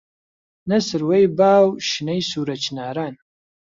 نە سروەی با و شنەی سوورە چناران